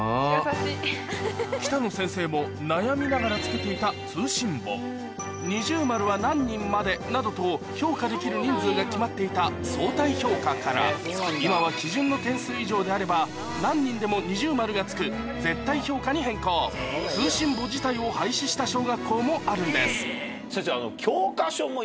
北野先生も悩みながらつけていた二重丸は何人までなどと評価できる人数が決まっていた相対評価から今は基準の点数以上であれば何人でも二重丸がつく絶対評価に変更あるんです先生。